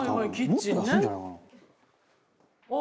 もっと安いんじゃないかな？」